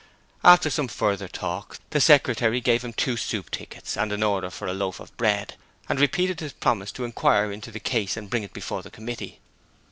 After some further talk the secretary gave him two soup tickets and an order for a loaf of bread, and repeated his promise to inquire into the case and bring it before the committee.